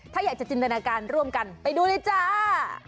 ถ้าอยากจะจินตนาการร่วมกันไปดูเลยจ้า